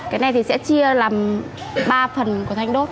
cái này thì sẽ chia làm ba phần của thanh đốt